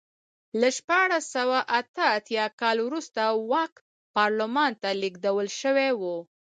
له شپاړس سوه اته اتیا کال وروسته واک پارلمان ته لېږدول شوی و.